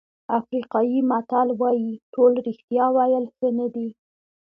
افریقایي متل وایي ټول رښتیا ویل ښه نه دي.